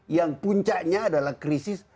yang puncaknya adalah krisis